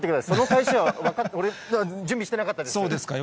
その返しは、準備してなかったです。